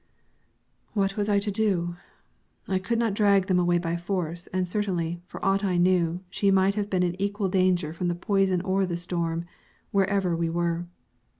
What was I to do? I could not drag them away by force, and certainly, for aught I knew, she might have been in equal danger from the poison or the storm, wherever we were.